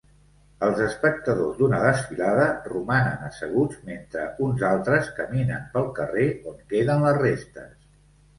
Els espectadors d'una desfilada romanen asseguts mentre uns altres caminen pel carrer on queden les restes.